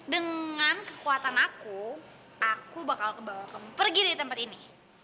dengan kekuatan aku aku bakal kebawa kamu pergi dari tempat ini